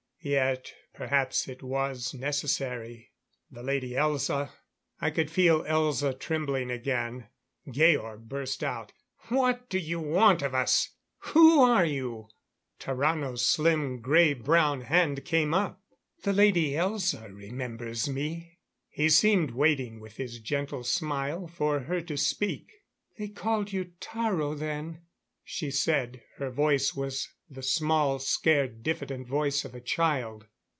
Yet perhaps it was necessary. The Lady Elza " I could feel Elza trembling again. Georg burst out: "What do you want of us? Who are you?" Tarrano's slim gray brown hand came up. "The Lady Elza remembers me " He seemed waiting with his gentle smile for her to speak. "They called you Taro then," she said. Her voice was the small, scared, diffident voice of a child.